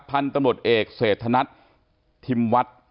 พันธุ์ตำรวจเอกเศรษฐนัทธิมวัฒน์